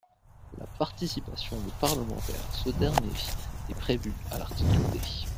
La participation de parlementaires à ce dernier est prévue à l’article D.